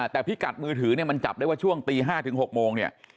แต่พิกัดมือถือเนี่ยมันจับได้ว่าช่วงตี๕ถึง๖โมงเนี่ย